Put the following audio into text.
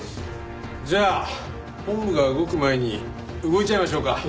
じゃあ本部が動く前に動いちゃいましょうか。